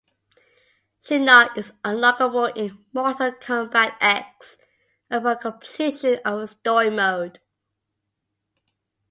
Shinnok is unlockable in "Mortal Kombat X" upon completion of the story mode.